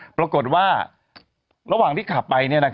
ปรากฏว่าระหว่างที่ขับไป